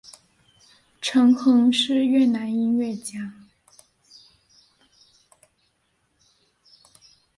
陈桓是越南音乐家。